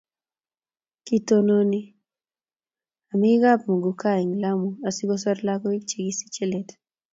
kitononi amekab muguka eng Lamu asikosoru lakoik chekisichei let